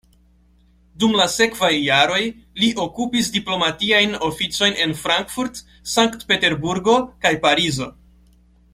Dum la sekvaj jaroj, li okupis diplomatiajn oficojn en Frankfurt, Sankt-Peterburgo kaj Parizo.